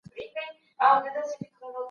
رښتیني مشران تل د ولس په غم کې وي.